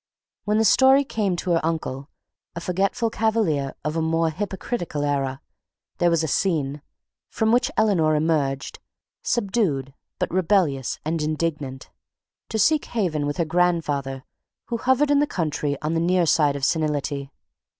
When the story came to her uncle, a forgetful cavalier of a more hypocritical era, there was a scene, from which Eleanor emerged, subdued but rebellious and indignant, to seek haven with her grandfather who hovered in the country on the near side of senility.